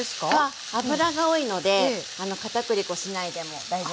脂が多いので片栗粉しないでも大丈夫ですね。